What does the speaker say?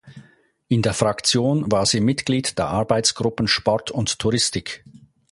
In der Fraktion war sie Mitglied der Arbeitsgruppen Sport und Touristik.